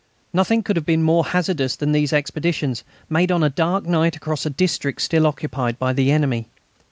Nothing could have been more hazardous than these expeditions, made on a dark night across a district still occupied by the enemy.